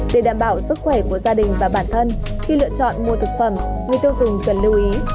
để đảm bảo sức khỏe của gia đình và bản thân khi lựa chọn mua thực phẩm người tiêu dùng cần lưu ý